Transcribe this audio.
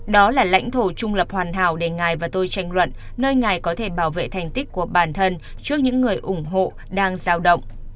đó là lãnh thổ trung lập hoàn hảo để ngài và tôi tranh luận nơi ngài có thể bảo vệ thành tích của bản thân trước những người ủng hộ đang giao động